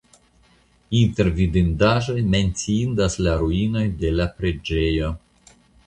Inter vidindaĵoj menciindas la ruinoj de la preĝejo.